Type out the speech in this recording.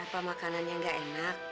apa makanannya gak enak